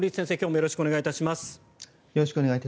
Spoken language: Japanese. よろしくお願いします。